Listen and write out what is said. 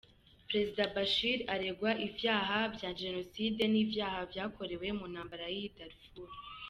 Prezida Bashir aregwa ivyaha bya genocide n'ivyaha vyakorewe mu ntambara y'i Darfur.